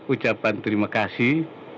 ucapan terima kasih